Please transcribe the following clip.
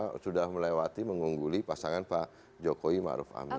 karena sudah melewati mengungguli pasangan pak jokowi maruf amin